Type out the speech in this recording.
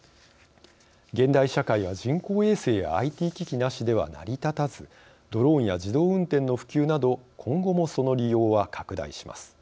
現代社会は人工衛星やＩＴ機器なしでは成り立たずドローンや自動運転の普及など今後もその利用は拡大します。